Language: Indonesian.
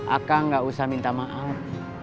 aka gak usah minta maaf